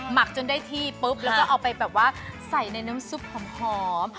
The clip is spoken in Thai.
ักจนได้ที่ปุ๊บแล้วก็เอาไปแบบว่าใส่ในน้ำซุปหอม